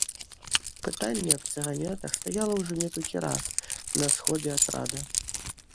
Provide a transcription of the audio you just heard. Пытанне аб цыганятах стаяла ўжо некалькі раз на сходзе атрада.